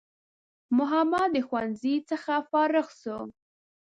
محمد د ښوونځی څخه فارغ سو